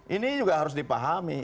ini juga harus dipahami